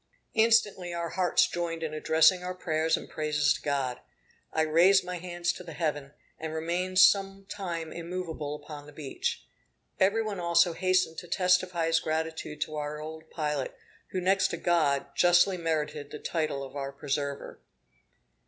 Instantly our hearts joined in addressing our prayers and praises to God. I raised my hands to heaven, and remained sometime immoveable upon the beach. Every one also hastened to testify his gratitude to our old pilot, who next to God, justly merited the title of our preserver.